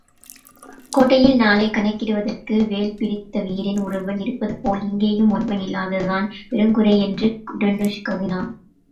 கோட்டையில் நாளைக் கணக்கிடுவதற்கு, வேல்பிடித்தவீரன் ஒருவன் இருப்பதுபோல், இங்கேயும் ஒருவன் இல்லாததுதான் பெருங்குறையென்று டுன்டுஷ் கருதினான்.